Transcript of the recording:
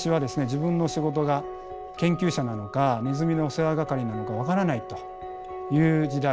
自分の仕事が研究者なのかネズミのお世話係なのか分からないという時代。